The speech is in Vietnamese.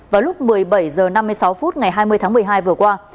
vào lúc một mươi bảy h năm mươi sáu phút ngày hai mươi tháng một mươi hai vừa qua